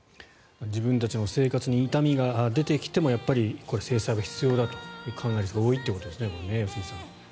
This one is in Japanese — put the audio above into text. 自分たちの生活に痛みが出てきてもやっぱり制裁は必要だという考えが多いということですね良純さん。